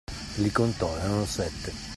Li contò: erano sette.